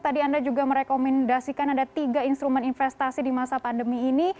tadi anda juga merekomendasikan ada tiga instrumen investasi di masa pandemi ini